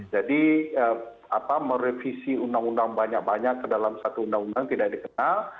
jadi merevisi undang undang banyak banyak ke dalam satu undang undang tidak dikenal